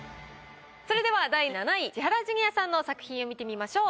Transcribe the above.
それでは第７位千原ジュニアさんの作品を見てみましょう。